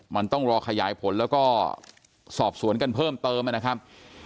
มันต้องรอขยายผลแล้วก็สอบสวนกันเพิ่มเติมนะครับ